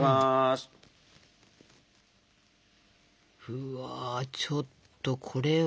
うわちょっとこれは！